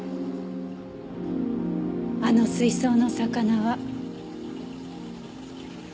あの水槽の魚は。